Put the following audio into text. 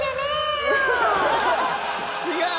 違う？